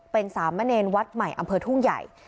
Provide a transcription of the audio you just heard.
เป็นสามเณรวัดใหม่อำเภอทุ่งใหญ่